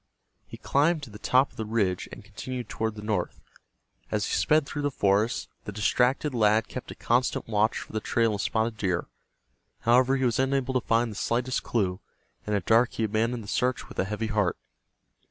He climbed to the top of the ridge and continued toward the north. As he sped through the forest, the distracted lad kept a constant watch for the trail of Spotted Deer. However, he was unable to find the slightest clue, and at dark he abandoned the search with a heavy heart.